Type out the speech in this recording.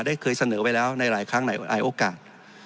ผมเคยเสนอไว้แล้วในหลายอ่ายโอกาส